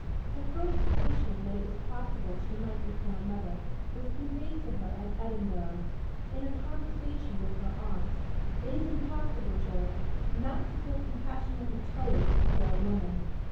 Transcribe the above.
Her first suspicion that it was possible she might become a mother was conveyed to her at Edinburgh, in a conversation with her aunt. It is impossible, George, not to feel compassionately toward this poor woman.